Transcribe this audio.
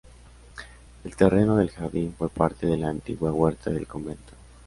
El terreno del Jardín fue parte de la antigua huerta del convento.